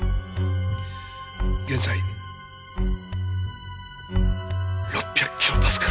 現在６００キロパスカルです。